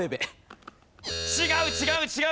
違う違う違う！